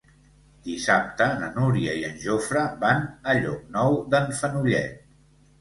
Dissabte na Núria i en Jofre van a Llocnou d'en Fenollet.